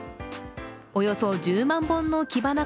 およそ１０万本のキバナ